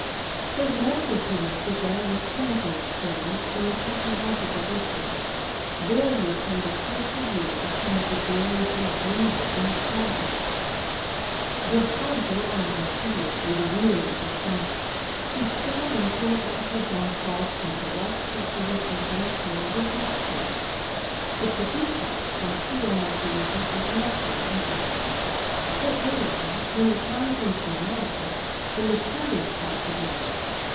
His medical career began with chemical experiments in the technological institute. There he obtained a closer view of some of the glories he had dreamed of in his childhood. But how dry and tedious were the rudiments of science! To stand and pour acids on salts and to watch the solution change colour, was not pleasant; to produce salts from two or more solutions was not very interesting. But later on, when the time came for analysis, the mysterious part began.